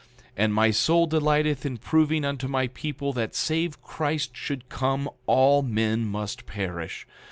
11:6 And my soul delighteth in proving unto my people that save Christ should come all men must perish.